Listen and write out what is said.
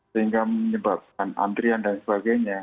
sehingga menyebabkan antrian dan sebagainya